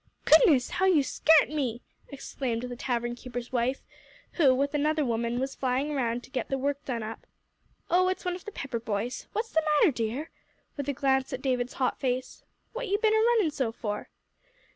"Goodness me, how you scart me!" exclaimed the tavern keeper's wife, who, with another woman, was flying around to get the work done up. "Oh, it's one of the Pepper boys. What's the matter, dear?" with a glance at David's hot face. "What you ben a runnin' so for?"